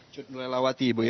cunurlelawati ibu ya